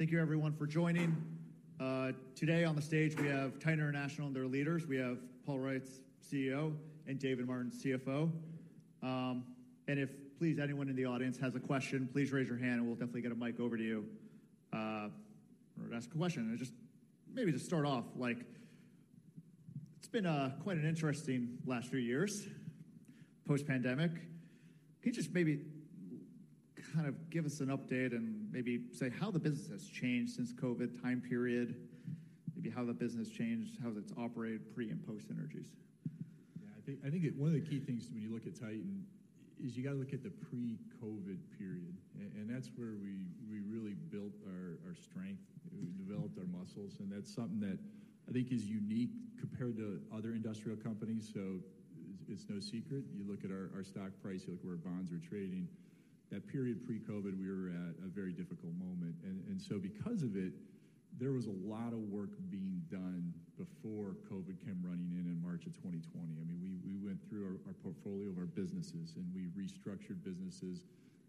Thank you everyone for joining. Today on the stage, we have Titan International and their leaders. We have Paul Reitz, CEO, and David Martin, CFO. And if, please, anyone in the audience has a question, please raise your hand, and we'll definitely get a mic over to you, or to ask a question. And just maybe to start off, like, it's been quite an interesting last few years, post-pandemic. Can you just maybe kind of give us an update and maybe say how the business has changed since COVID time period? Maybe how the business changed, how it's operated pre- and post-synergies., I think, I think one of the key things when you look at Titan is you gotta look at the pre-COVID period. And that's where we, we really built our, our strength. We developed our muscles, and that's something that I think is unique compared to other industrial companies. So it's, it's no secret. You look at our, our stock price, you look where our bonds are trading. That period pre-COVID, we were at a very difficult moment, and, and so because of it, there was a lot of work being done before COVID came running in, in March 2020. I mean, we, we went through our, our portfolio of our businesses, and we restructured businesses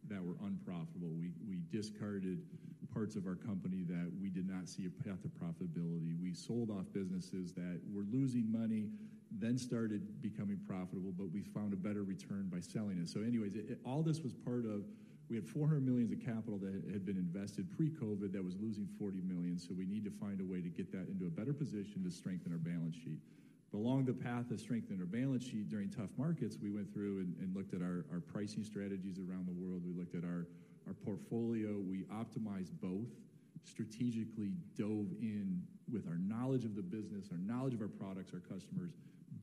that were unprofitable. We, we discarded parts of our company that we did not see a path to profitability. We sold off businesses that were losing money, then started becoming profitable, but we found a better return by selling it. So anyways, it-- all this was part of... We had $400 million of capital that had been invested pre-COVID that was losing $40 million, so we need to find a way to get that into a better position to strengthen our balance sheet. But along the path of strengthening our balance sheet during tough markets, we went through and looked at our pricing strategies around the world. We looked at our portfolio. We optimized both, strategically dove in with our knowledge of the business, our knowledge of our products, our customers,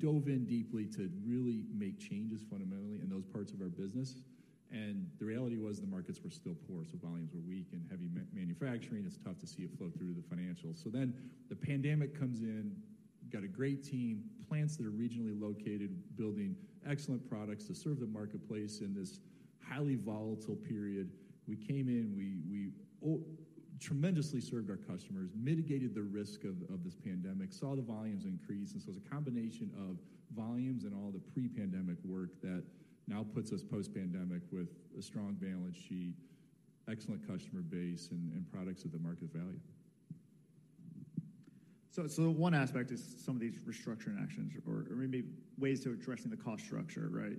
dove in deeply to really make changes fundamentally in those parts of our business. The reality was the markets were still poor, so volumes were weak and heavy manufacturing. It's tough to see it flow through the financials. Then the pandemic comes in. Got a great team, plants that are regionally located, building excellent products to serve the marketplace in this highly volatile period. We came in, we tremendously served our customers, mitigated the risk of this pandemic, saw the volumes increase, and so it's a combination of volumes and all the pre-pandemic work that now puts us post-pandemic with a strong balance sheet, excellent customer base, and products of the market value. So, one aspect is some of these restructuring actions or maybe ways to addressing the cost structure, right?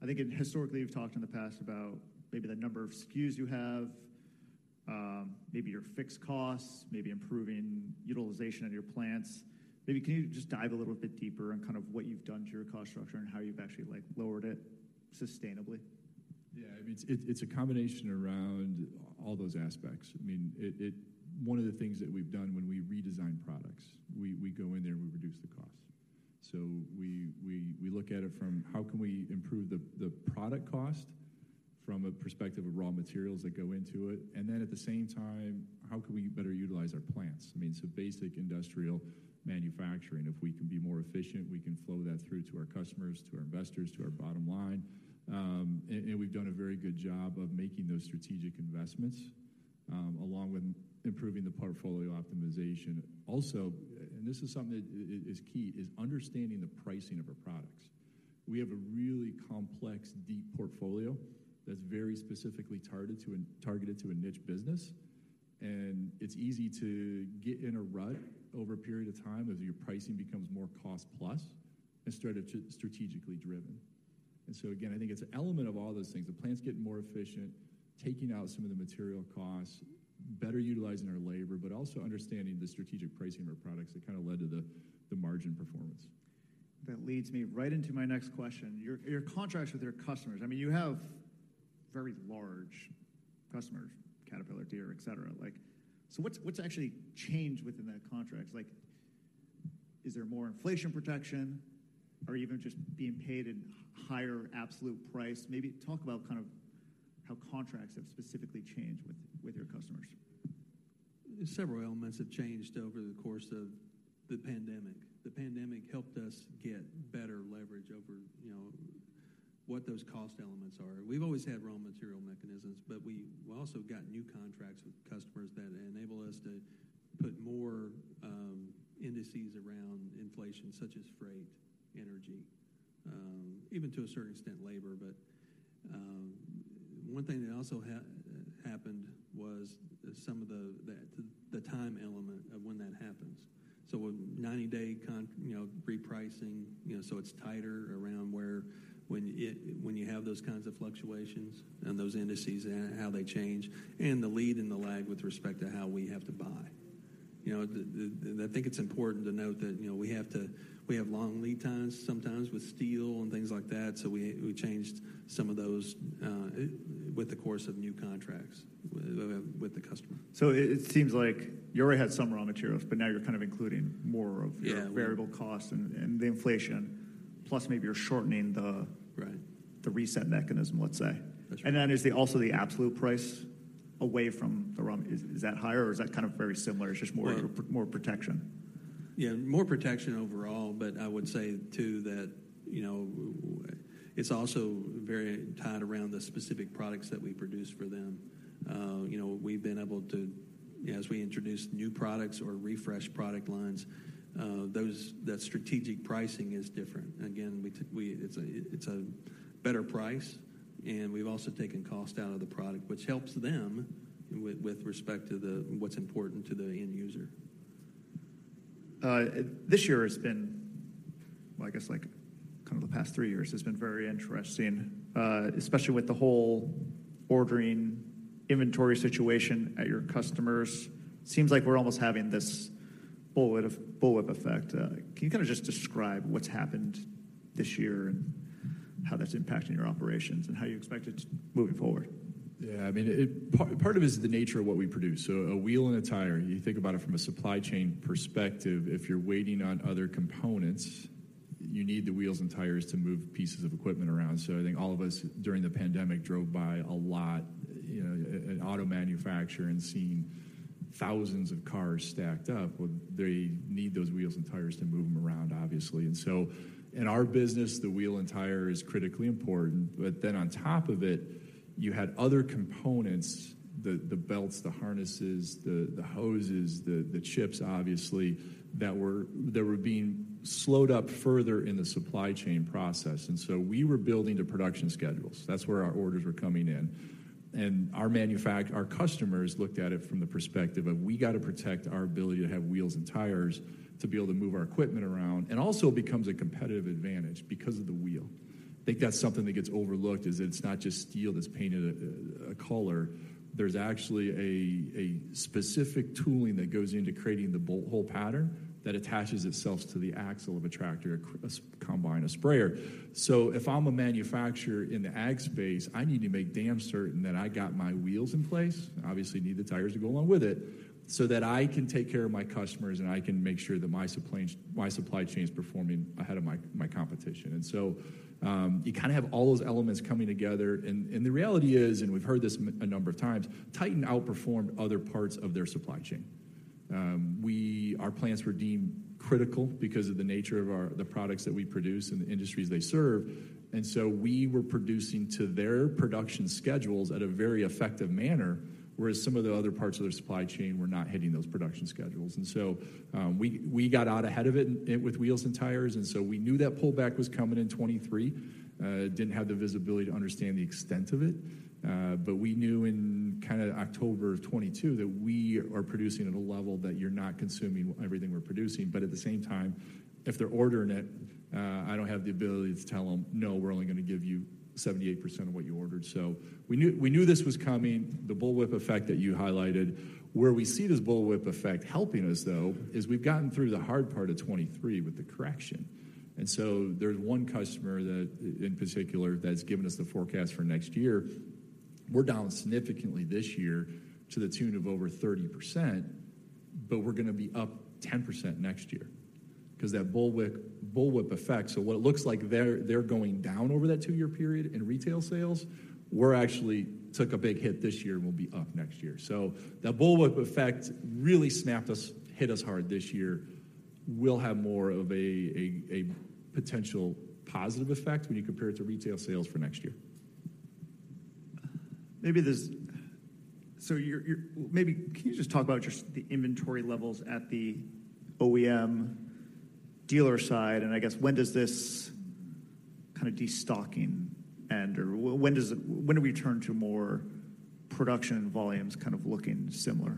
I think historically, you've talked in the past about maybe the number of SKUs you have, maybe your fixed costs, maybe improving utilization of your plants. Maybe can you just dive a little bit deeper on kind of what you've done to your cost structure and how you've actually, like, lowered it sustainably?, I mean, it's a combination around all those aspects. I mean, one of the things that we've done when we redesign products, we go in there, and we reduce the cost. So we look at it from how can we improve the product cost from a perspective of raw materials that go into it, and then at the same time, how can we better utilize our plants? I mean, so basic industrial manufacturing, if we can be more efficient, we can flow that through to our customers, to our investors, to our bottom line. And we've done a very good job of making those strategic investments, along with improving the portfolio optimization. Also, this is something that is key, is understanding the pricing of our products. We have a really complex, deep portfolio that's very specifically targeted to a niche business, and it's easy to get in a rut over a period of time as your pricing becomes more cost-plus and strategically driven. And so again, I think it's an element of all those things. The plants getting more efficient, taking out some of the material costs, better utilizing our labor, but also understanding the strategic pricing of our products that kind of led to the margin performance. That leads me right into my next question. Your contracts with your customers, I mean, you have very large customers, Caterpillar, Deere, etc. Like, so what's actually changed within that contract? Like, is there more inflation protection or even just being paid in higher absolute price? Maybe talk about kind of how contracts have specifically changed with your customers. Several elements have changed over the course of the pandemic. The pandemic helped us get better leverage over, you know, what those cost elements are. We've always had raw material mechanisms, but we also got new contracts with customers that enable us to put more indices around inflation, such as freight, energy, even to a certain extent, labor. But one thing that also happened was some of the time element of when that happens. So a 90-day, you know, repricing, you know, so it's tighter around where, when it when you have those kinds of fluctuations and those indices and how they change, and the lead and the lag with respect to how we have to buy. You know, and I think it's important to note that, you know, we have long lead times, sometimes with steel and things like that, so we changed some of those with the course of new contracts with the customer. So it seems like you already had some raw materials, but now you're kind of including more of variable costs and the inflation, plus maybe you're shortening the- Right... the reset mechanism, let's say. That's right. And then, is the absolute price away from the raw— Is that higher, or is that kind of very similar? It's just more- Well-... more protection., more protection overall, but I would say, too, that, you know, it's also very tied around the specific products that we produce for them. You know, we've been able to, as we introduce new products or refresh product lines, those, that strategic pricing is different. Again, it's a, it's a better price. And we've also taken cost out of the product, which helps them with respect to what's important to the end user. This year has been, well, I guess, like, kind of the past three years, very interesting, especially with the whole ordering inventory situation at your customers. Seems like we're almost having this bullwhip, bullwhip effect. Can you kind of just describe what's happened this year and how that's impacting your operations, and how you expect it moving forward?, I mean, part of it is the nature of what we produce. So a wheel and a tire, you think about it from a supply chain perspective, if you're waiting on other components, you need the wheels and tires to move pieces of equipment around. So I think all of us, during the pandemic, drove by a lot, you know, at auto manufacturer and seeing thousands of cars stacked up. Well, they need those wheels and tires to move them around, obviously. And so in our business, the wheel and tire is critically important. But then on top of it, you had other components: the belts, the harnesses, the hoses, the chips, obviously, that were being slowed up further in the supply chain process. And so we were building to production schedules. That's where our orders were coming in. And our customers looked at it from the perspective of, "We got to protect our ability to have wheels and tires, to be able to move our equipment around." And also becomes a competitive advantage because of the wheel. I think that's something that gets overlooked, is it's not just steel that's painted a color. There's actually a specific tooling that goes into creating the bolt hole pattern that attaches itself to the axle of a tractor, a combine, a sprayer. So if I'm a manufacturer in the ag space, I need to make damn certain that I got my wheels in place, obviously need the tires to go along with it, so that I can take care of my customers, and I can make sure that my supply chain is performing ahead of my competition. And so, you kind of have all those elements coming together. And the reality is, and we've heard this a number of times, Titan outperformed other parts of their supply chain. Our plants were deemed critical because of the nature of our, the products that we produce and the industries they serve, and so we were producing to their production schedules in a very effective manner, whereas some of the other parts of their supply chain were not hitting those production schedules. And so, we got out ahead of it with wheels and tires, and so we knew that pullback was coming in 2023. Didn't have the visibility to understand the extent of it, but we knew in kinda October of 2022 that we are producing at a level that you're not consuming everything we're producing. But at the same time, if they're ordering it, I don't have the ability to tell them, "No, we're only gonna give you 78% of what you ordered." So we knew, we knew this was coming, the bullwhip effect that you highlighted. Where we see this bullwhip effect helping us, though, is we've gotten through the hard part of 2023 with the correction. And so there's one customer that, in particular, that's given us the forecast for next year. We're down significantly this year to the tune of over 30%, but we're gonna be up 10% next year, 'cause that bullwhip, bullwhip effect. So what it looks like they're, they're going down over that two-year period in retail sales, we're actually took a big hit this year and we'll be up next year. So the bullwhip effect really snapped us, hit us hard this year. We'll have more of a potential positive effect when you compare it to retail sales for next year. Maybe can you just talk about just the inventory levels at the OEM dealer side? And I guess, when does this kind of destocking end or when does it, when do we turn to more production volumes kind of looking similar? ,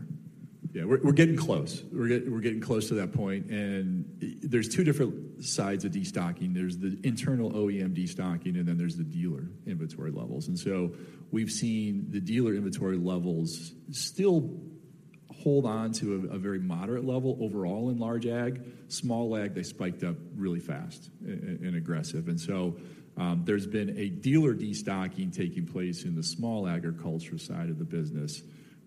we're getting close. We're getting close to that point, and there's 2 different sides of destocking. There's the internal OEM destocking, and then there's the dealer inventory levels. And so we've seen the dealer inventory levels still hold on to a very moderate level overall in large ag. Small ag, they spiked up really fast and aggressive. And so there's been a dealer destocking taking place in the small agriculture side of the business,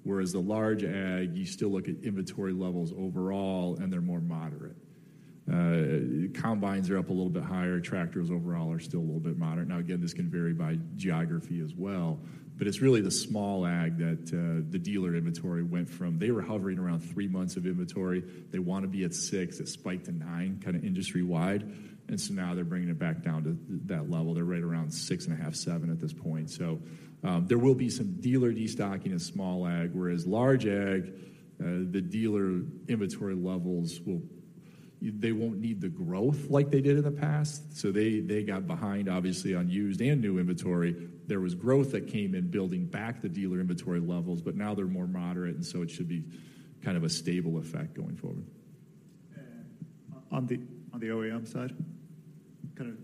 whereas the large ag, you still look at inventory levels overall, and they're more moderate. Combines are up a little bit higher. Tractors overall are still a little bit moderate. Now, again, this can vary by geography as well, but it's really the small ag that the dealer inventory went from... They were hovering around 3 months of inventory. They wanna be at 6. It spiked to 9, kinda industry-wide, and so now they're bringing it back down to that level. They're right around 6.5-7 at this point. So, there will be some dealer destocking in small ag, whereas large ag, the dealer inventory levels will. They won't need the growth like they did in the past, so they, they got behind, obviously, on used and new inventory. There was growth that came in building back the dealer inventory levels, but now they're more moderate, and so it should be kind of a stable effect going forward. On the OEM side, kind of-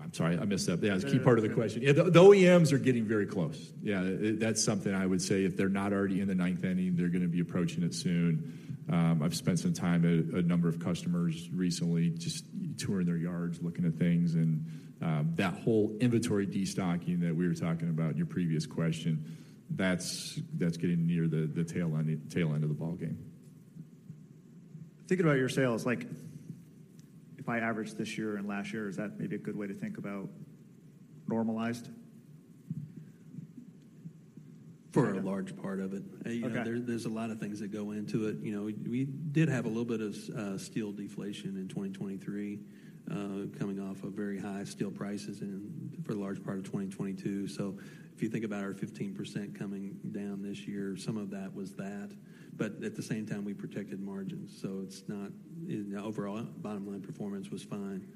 I'm sorry, I messed up., that's a key part of the question., the OEMs are getting very close., that's something I would say, if they're not already in the ninth inning, they're gonna be approaching it soon. I've spent some time at a number of customers recently, just touring their yards, looking at things, and that whole inventory destocking that we were talking about in your previous question, that's getting near the tail end of the ballgame. Thinking about your sales, like, if I average this year and last year, is that maybe a good way to think about normalized? For a large part of it. Okay. You know, there's a lot of things that go into it. You know, we did have a little bit of steel deflation in 2023, coming off of very high steel prices and for the large part of 2022. So if you think about our 15% coming down this year, some of that was that, but at the same time, we protected margins, so it's not... In the overall, bottom-line performance was fine....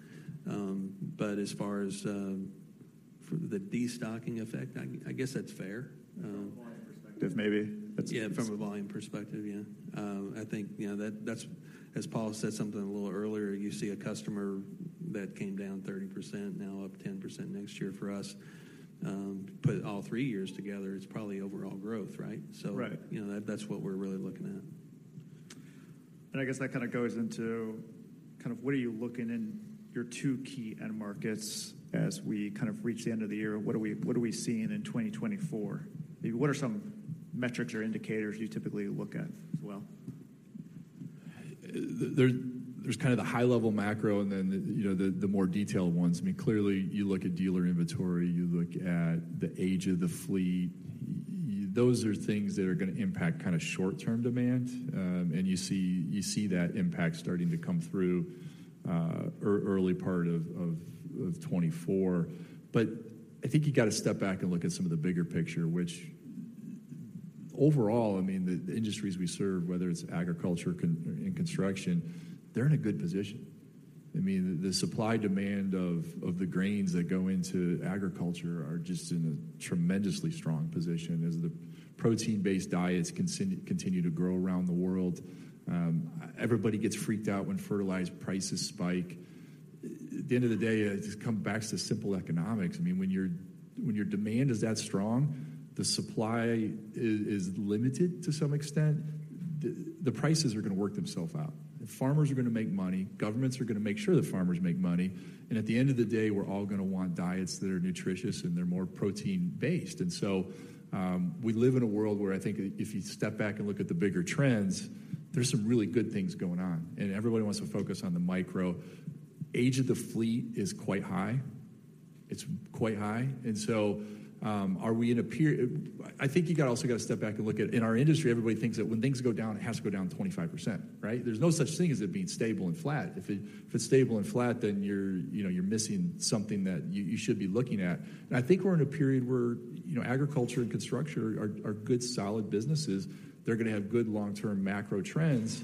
but as far as for the destocking effect, I guess that's fair, From a volume perspective., from a volume perspective,. I think, you know, that, that's, as Paul said something a little earlier, you see a customer that came down 30%, now up 10% next year for us. Put all three years together, it's probably overall growth, right? Right. You know, that- that's what we're really looking at. I guess that kind of goes into kind of what are you looking in your two key end markets as we kind of reach the end of the year? What are we, what are we seeing in 2024? What are some metrics or indicators you typically look at as well? There's kind of the high-level macro and then, you know, the more detailed ones. I mean, clearly, you look at dealer inventory, you look at the age of the fleet. Those are things that are gonna impact kind of short-term demand, and you see that impact starting to come through, early part of 2024. But I think you've got to step back and look at some of the bigger picture, which overall, I mean, the industries we serve, whether it's agriculture and construction, they're in a good position. I mean, the supply-demand of the grains that go into agriculture are just in a tremendously strong position as the protein-based diets continue to grow around the world. Everybody gets freaked out when fertilizer prices spike. At the end of the day, it just come back to simple economics. I mean, when your demand is that strong, the supply is limited to some extent, the prices are gonna work themselves out. Farmers are gonna make money, governments are gonna make sure the farmers make money, and at the end of the day, we're all gonna want diets that are nutritious, and they're more protein-based. And so, we live in a world where I think if you step back and look at the bigger trends, there's some really good things going on, and everybody wants to focus on the micro. Age of the fleet is quite high. It's quite high. And so, are we in a per-- I think you gotta also step back and look at... In our industry, everybody thinks that when things go down, it has to go down 25%, right? There's no such thing as it being stable and flat. If it's stable and flat, then you know, you're missing something that you should be looking at. And I think we're in a period where you know, agriculture and construction are good, solid businesses. They're gonna have good long-term macro trends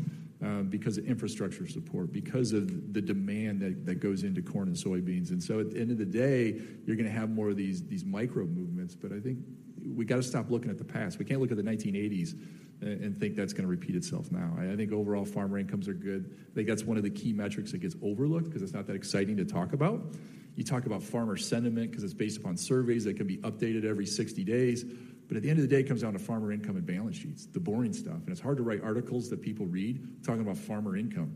because of infrastructure support, because of the demand that goes into corn and soybeans. And so, at the end of the day, you're gonna have more of these micro movements, but I think we gotta stop looking at the past. We can't look at the 1980s and think that's gonna repeat itself now. I think overall, farmer incomes are good. I think that's one of the key metrics that gets overlooked because it's not that exciting to talk about. You talk about farmer sentiment because it's based upon surveys that can be updated every 60 days. But at the end of the day, it comes down to farmer income and balance sheets, the boring stuff, and it's hard to write articles that people read, talking about farmer income.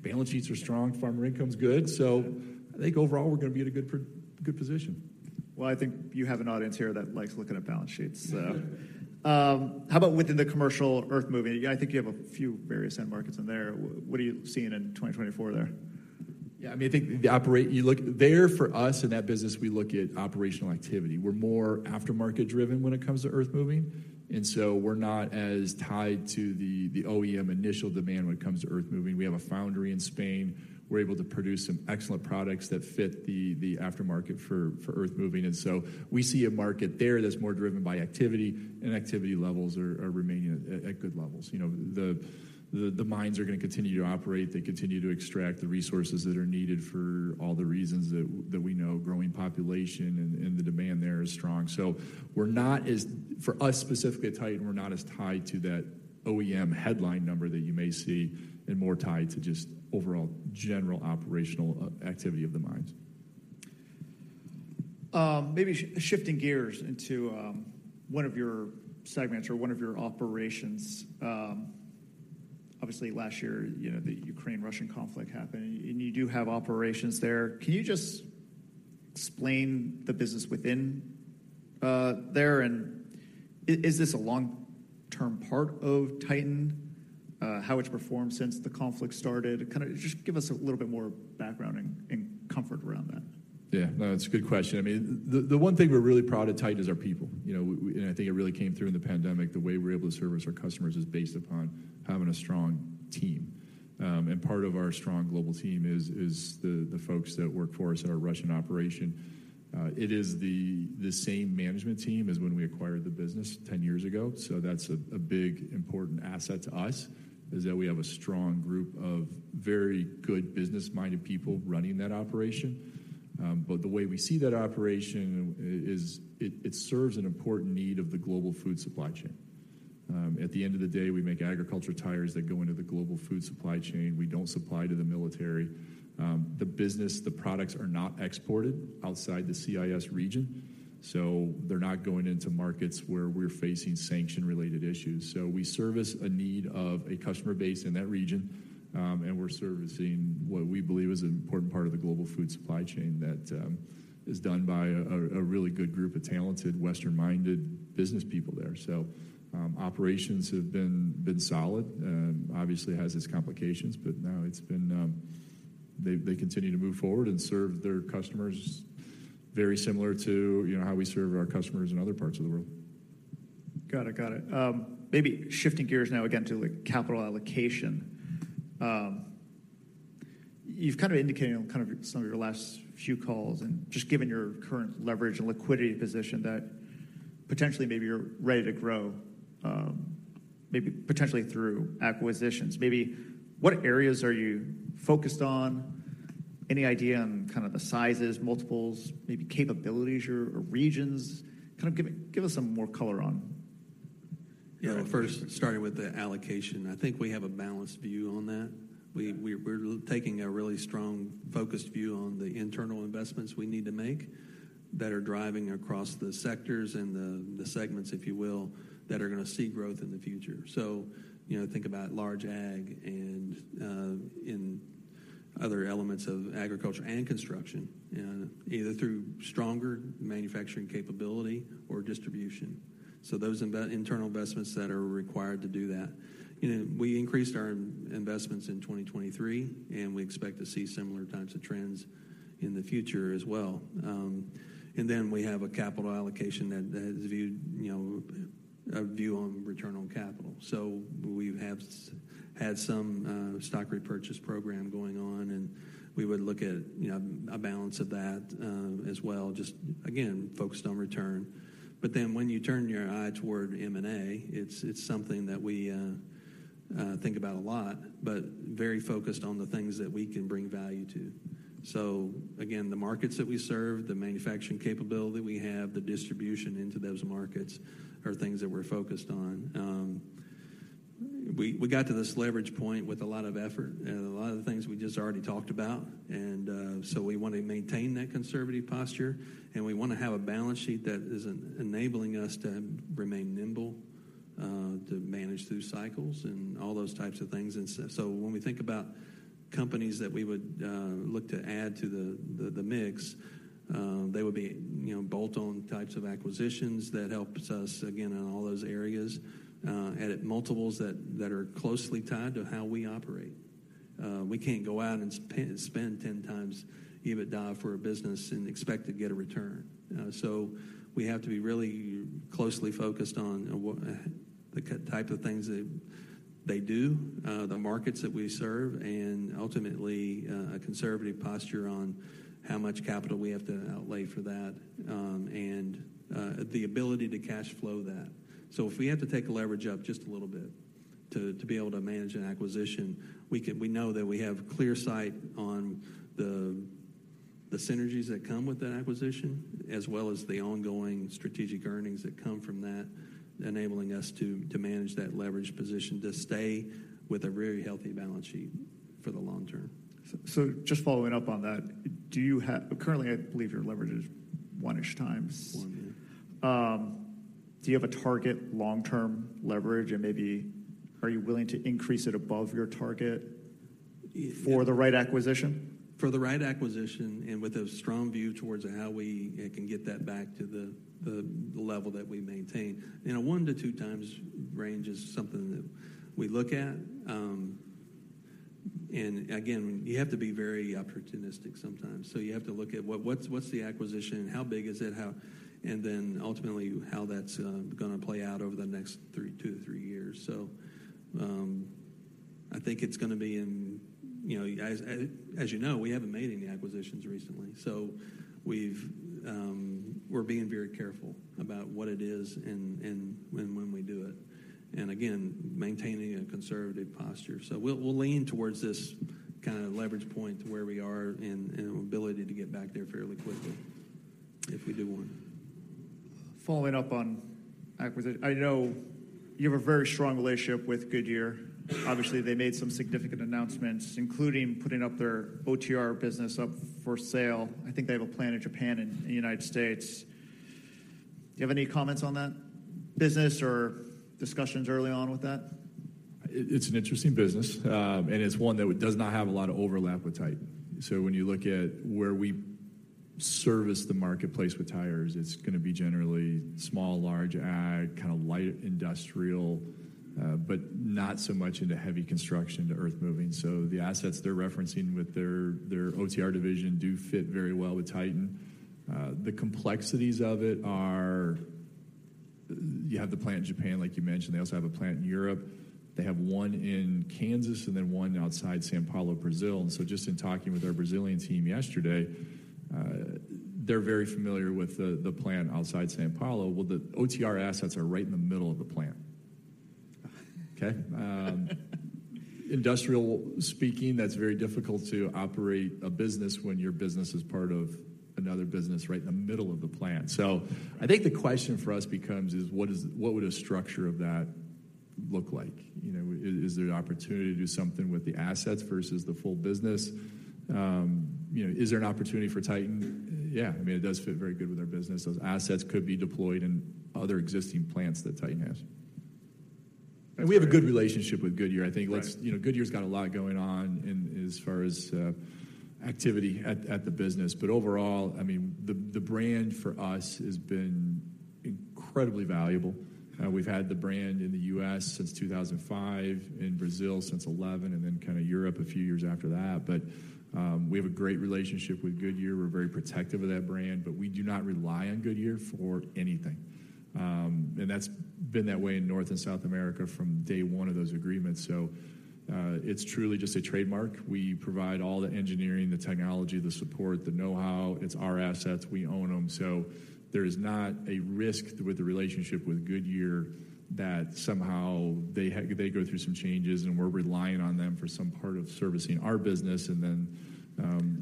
Balance sheets are strong, farmer income is good, so I think overall, we're gonna be in a good position. Well, I think you have an audience here that likes looking at balance sheets, so. How about within the commercial earthmoving? I think you have a few various end markets in there. What are you seeing in 2024 there? , I mean, I think you look, there for us in that business, we look at operational activity. We're more aftermarket-driven when it comes to earthmoving, and so we're not as tied to the OEM initial demand when it comes to earthmoving. We have a foundry in Spain. We're able to produce some excellent products that fit the aftermarket for earthmoving, and so we see a market there that's more driven by activity, and activity levels are remaining at good levels. You know, the mines are gonna continue to operate. They continue to extract the resources that are needed for all the reasons that we know, growing population and the demand there is strong. So, for us, specifically at Titan, we're not as tied to that OEM headline number that you may see, and more tied to just overall general operational activity of the mines. Maybe shifting gears into one of your segments or one of your operations. Obviously, last year, you know, the Ukraine-Russian conflict happened, and you do have operations there. Can you just explain the business within there, and is this a long-term part of Titan? How it's performed since the conflict started. Kind of just give us a little bit more background and comfort around that.. No, it's a good question. I mean, the one thing we're really proud of at Titan is our people. You know, and I think it really came through in the pandemic, the way we're able to service our customers is based upon having a strong team. And part of our strong global team is the folks that work for us at our Russian operation. It is the same management team as when we acquired the business 10 years ago, so that's a big, important asset to us, is that we have a strong group of very good business-minded people running that operation. But the way we see that operation is it serves an important need of the global food supply chain. At the end of the day, we make agriculture tires that go into the global food supply chain. We don't supply to the military. The business, the products are not exported outside the CIS region, so they're not going into markets where we're facing sanction-related issues. So we service a need of a customer base in that region, and we're servicing what we believe is an important part of the global food supply chain that is done by a really good group of talented, Western-minded business people there. So operations have been solid, obviously has its complications, but now it's been... They, they continue to move forward and serve their customers very similar to, you know, how we serve our customers in other parts of the world. Got it. Got it. Maybe shifting gears now again to, like, capital allocation. You've kind of indicated on kind of some of your last few calls and just given your current leverage and liquidity position that potentially, maybe you're ready to grow, maybe potentially through acquisitions. Maybe, what areas are you focused on? Any idea on kind of the sizes, multiples, maybe capabilities or, or regions? Kind of give me, give us some more color on., first, starting with the allocation, I think we have a balanced view on that. We're taking a really strong, focused view on the internal investments we need to make that are driving across the sectors and the segments, if you will, that are gonna see growth in the future. So, you know, think about large ag and in other elements of agriculture and construction, and either through stronger manufacturing capability or distribution. So those internal investments that are required to do that. You know, we increased our investments in 2023, and we expect to see similar types of trends in the future as well. And then we have a capital allocation that is viewed, you know, a view on return on capital. So we have had some stock repurchase program going on, and we would look at, you know, a balance of that, as well, just again, focused on return. But then when you turn your eye toward M&A, it's something that we think about a lot, but very focused on the things that we can bring value to. So again, the markets that we serve, the manufacturing capability we have, the distribution into those markets, are things that we're focused on. We got to this leverage point with a lot of effort and a lot of the things we just already talked about. So we want to maintain that conservative posture, and we want to have a balance sheet that is enabling us to remain nimble, to manage through cycles and all those types of things. When we think about companies that we would look to add to the mix, they would be, you know, bolt-on types of acquisitions that helps us, again, in all those areas, and at multiples that are closely tied to how we operate. We can't go out and spend 10x EBITDA for a business and expect to get a return. So we have to be really closely focused on the type of things that they do, the markets that we serve, and ultimately, a conservative posture on how much capital we have to outlay for that, and the ability to cash flow that. So if we have to take the leverage up just a little bit to be able to manage an acquisition, we can, we know that we have clear sight on the synergies that come with that acquisition, as well as the ongoing strategic earnings that come from that, enabling us to manage that leverage position, to stay with a very healthy balance sheet for the long term. So, just following up on that, do you have currently, I believe your leverage is one-ish times? One,. Do you have a target long-term leverage? And maybe, are you willing to increase it above your target- If- -for the right acquisition? For the right acquisition, and with a strong view towards how we can get that back to the level that we maintain. In a 1-2 times range is something that we look at. And again, you have to be very opportunistic sometimes. So you have to look at what the acquisition? How big is it? And then ultimately, how that's gonna play out over the next three, 2-3 years. So, I think it's gonna be in... You know, as you know, we haven't made any acquisitions recently, so we're being very careful about what it is and when we do it, and again, maintaining a conservative posture. So we'll, we'll lean towards this kind of leverage point to where we are and, and ability to get back there fairly quickly if we do one. Following up on acquisition. I know you have a very strong relationship with Goodyear. Obviously, they made some significant announcements, including putting up their OTR business up for sale. I think they have a plant in Japan and in the United States. Do you have any comments on that business or discussions early on with that? It's an interesting business, and it's one that does not have a lot of overlap with Titan. So when you look at where we service the marketplace with tires, it's gonna be generally small, large, ag, kind of light industrial, but not so much into heavy construction, to earthmoving. So the assets they're referencing with their OTR division do fit very well with Titan. The complexities of it are, you have the plant in Japan, like you mentioned, they also have a plant in Europe. They have one in Kansas and then one outside São Paulo, Brazil. So just in talking with our Brazilian team yesterday, they're very familiar with the plant outside São Paulo. Well, the OTR assets are right in the middle of the plant. Okay? Industrially speaking, that's very difficult to operate a business when your business is part of another business right in the middle of the plant. So I think the question for us becomes: What would a structure of that look like? You know, is there an opportunity to do something with the assets versus the full business? You know, is there an opportunity for Titan?, I mean, it does fit very good with our business. Those assets could be deployed in other existing plants that Titan has. And we have a good relationship with Goodyear. Right. I think, you know, Goodyear's got a lot going on in, as far as, activity at the business. But overall, I mean, the brand for us has been incredibly valuable. We've had the brand in the U.S. since 2005, in Brazil since 2011, and then kind of Europe a few years after that. But we have a great relationship with Goodyear. We're very protective of that brand, but we do not rely on Goodyear for anything, and that's been that way in North and South America from day one of those agreements. So, it's truly just a trademark. We provide all the engineering, the technology, the support, the know-how. It's our assets, we own them. So there is not a risk with the relationship with Goodyear that somehow they go through some changes, and we're relying on them for some part of servicing our business, and then,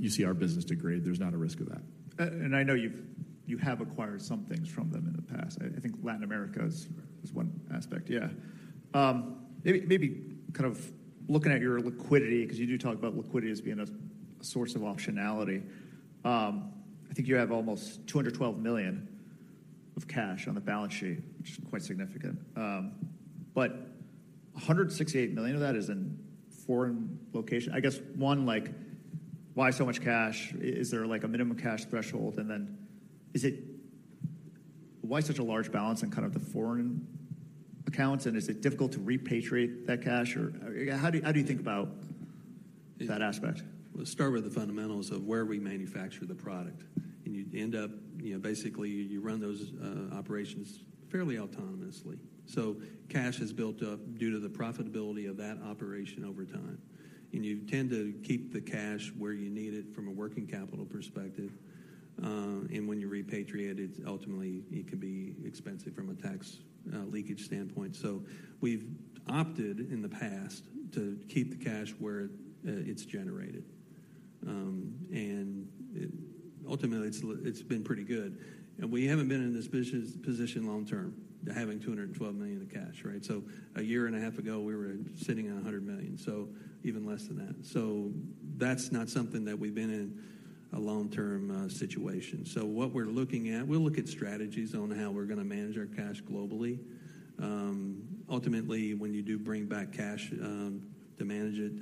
you see our business degrade. There's not a risk of that. and I know you've, you have acquired some things from them in the past. I think Latin America is- Right... is one aspect.. Maybe kind of looking at your liquidity, because you do talk about liquidity as being a source of optionality. I think you have almost $212 million of cash on the balance sheet, which is quite significant. But $168 million of that is in foreign location. I guess, one, like, why so much cash? Is there, like, a minimum cash threshold? And then is it, why such a large balance in kind of the foreign accounts, and is it difficult to repatriate that cash? Or,, how do you think about that aspect? Let's start with the fundamentals of where we manufacture the product. You end up, you know, basically, you run those operations fairly autonomously. So cash is built up due to the profitability of that operation over time, and you tend to keep the cash where you need it from a working capital perspective. And when you repatriate it, it's ultimately it can be expensive from a tax leakage standpoint. So we've opted in the past to keep the cash where it's generated. And it ultimately, it's been pretty good. We haven't been in this position long term to having $212 million in cash, right? So a year and a half ago, we were sitting on $100 million, so even less than that. So that's not something that we've been in a long-term situation. So what we're looking at, we'll look at strategies on how we're gonna manage our cash globally. Ultimately, when you do bring back cash to manage it,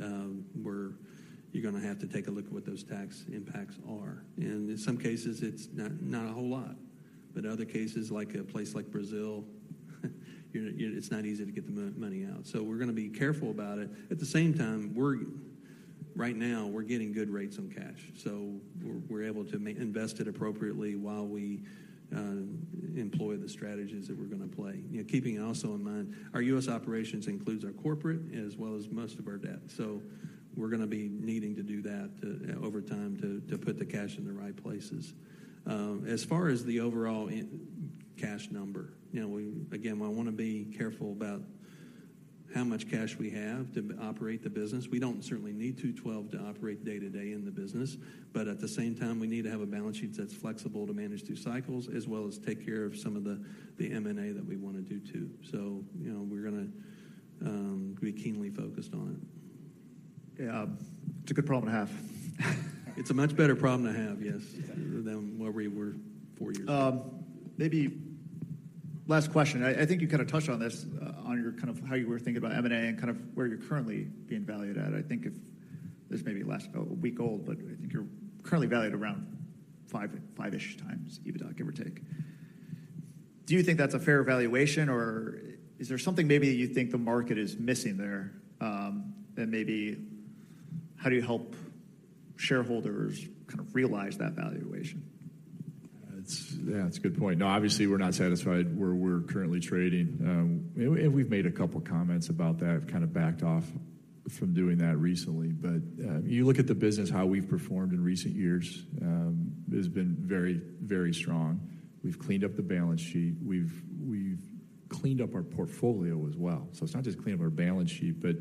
you're gonna have to take a look at what those tax impacts are. And in some cases, it's not, not a whole lot. But other cases, like a place like Brazil, you know, it's not easy to get the money out. So we're gonna be careful about it. At the same time, right now, we're getting good rates on cash, so we're able to invest it appropriately while we employ the strategies that we're gonna play. You know, keeping also in mind, our U.S. operations includes our corporate as well as most of our debt. So we're gonna be needing to do that over time to put the cash in the right places. As far as the overall cash number, you know, we again, I wanna be careful about how much cash we have to operate the business. We don't certainly need $212 to operate day-to-day in the business, but at the same time, we need to have a balance sheet that's flexible to manage through cycles, as well as take care of some of the M&A that we wanna do, too. So, you know, we're gonna be keenly focused on it.. It's a good problem to have. It's a much better problem to have, yes than where we were four years ago. Maybe last question. I think you kind of touched on this, on your kind of how you were thinking about M&A and kind of where you're currently being valued at. I think this may be last week old, but I think you're currently valued around 5, 5-ish x EBITDA, give or take. Do you think that's a fair valuation, or is there something maybe you think the market is missing there? And maybe how do you help shareholders kind of realize that valuation? It's,, it's a good point. No, obviously, we're not satisfied where we're currently trading, and we've made a couple comments about that, kind of backed off from doing that recently. But you look at the business, how we've performed in recent years, it has been very, very strong. We've cleaned up the balance sheet. We've cleaned up our portfolio as well. So it's not just cleaning up our balance sheet, but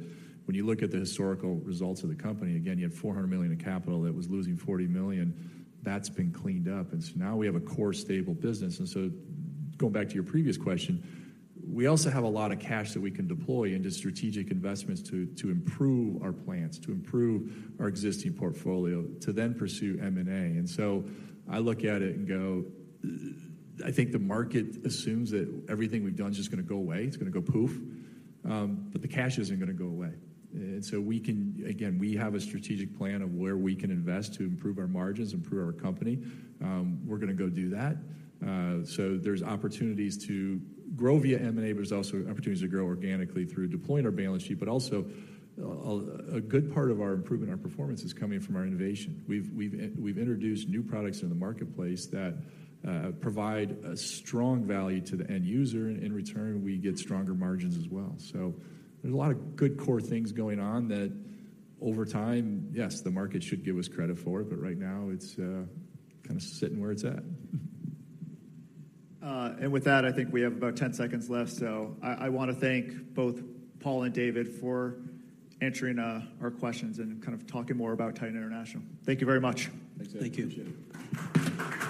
when you look at the historical results of the company, again, you had $400 million in capital that was losing $40 million. That's been cleaned up, and so now we have a core, stable business. And so going back to your previous question, we also have a lot of cash that we can deploy into strategic investments to improve our plants, to improve our existing portfolio, to then pursue M&A. I look at it and go, I think the market assumes that everything we've done is just gonna go away. It's gonna go poof. But the cash isn't gonna go away. So we can. Again, we have a strategic plan of where we can invest to improve our margins, improve our company. We're gonna go do that. So there's opportunities to grow via M&A, but there's also opportunities to grow organically through deploying our balance sheet. But also, a good part of our improvement in our performance is coming from our innovation. We've introduced new products in the marketplace that provide a strong value to the end user, and in return, we get stronger margins as well. There's a lot of good core things going on that over time, yes, the market should give us credit for, but right now, it's kind of sitting where it's at. With that, I think we have about 10 seconds left. I wanna thank both Paul and David for answering our questions and kind of talking more about Titan International. Thank you very much. Thanks, Dave. Thank you. Appreciate it.